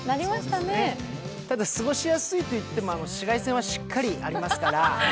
ただ、過ごしやすいといっても紫外線はしっかりありますから。